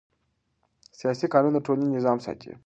سیاسي قانون د ټولنې نظم ساتي